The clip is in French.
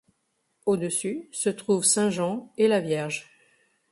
Au-dessus se trouvent saint Jean et la Vierge.